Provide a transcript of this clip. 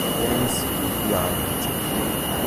Denis Kudrjavcev